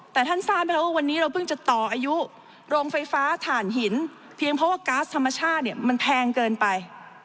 แต่ท่านทราบไหมครับว่าวันนี้เราเพิ่งจะต่ออายุโรงไฟฟ้าถ่านหินเพียงเพราะว่าก๊าซธรรมชาติเนี่ยมันแพงเกินไป